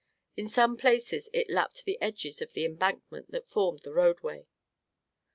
In some places it lapped the edges of the embankment that formed the roadway.